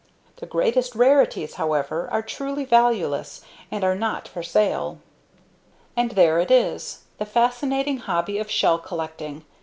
The greatest rarities, however, are truly valueless and are not for sale. .. .And there it is, the fascinating hobby of shell collecting.